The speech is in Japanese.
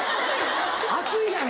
熱いやろ！